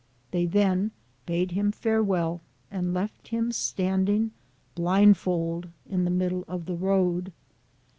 They then bade him farewell, and left him standing blind fold in the middle of the road.